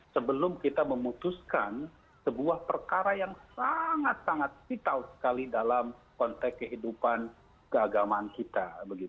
sebelum kita memutuskan sebuah perkara yang sangat sangat vital sekali dalam konteks kehidupan keagamaan kita